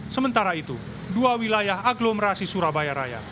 sementara itu dua wilayah aglomerasi surabaya raya